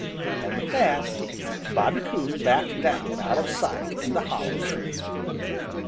And with that Bobby Coon backed down out of sight in the hollow tree.